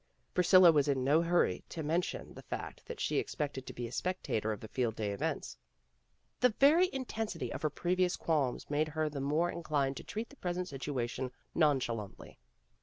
Priscilla was in no hurry to mention the fact that she expected to be a spectator of the Field Day events. The very intensity of her previous qualms made her the more inclined to treat the present situation nonchalantly.